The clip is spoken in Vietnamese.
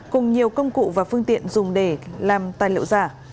cùng nhiều công cụ và phương tiện dùng để làm tài liệu giả